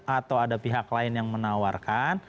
atau ada pihak lain yang menawarkan